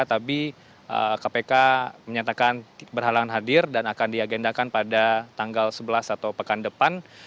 tapi kpk menyatakan berhalangan hadir dan akan diagendakan pada tanggal sebelas atau pekan depan